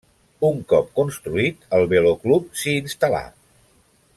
Un cop construït, el Velo Club s'hi instal·là.